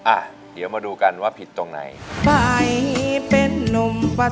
อ่ะเดี๋ยวมาดูกันว่าผิดตรงไหน